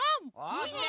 いいね！